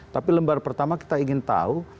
tapi lembar pertama kita ingin tahu